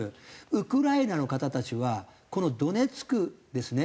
ウクライナの方たちはこのドネツクですね。